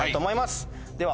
では。